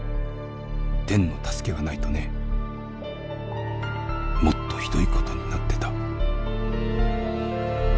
天の助けがないとねもっと酷いことになってた」。